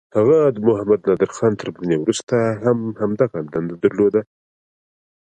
هغه د محمد نادرخان تر مړینې وروسته هم همدغه دنده درلوده.